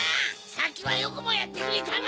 さっきはよくもやってくれたな！